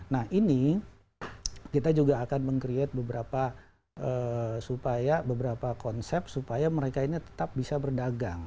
nah ini kita juga akan meng create beberapa supaya beberapa konsep supaya mereka ini tetap bisa berdagang